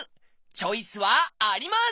チョイスはあります！